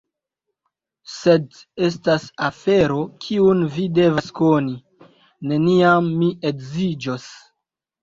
Sed estas afero, kiun vi devas koni: neniam mi edziĝos.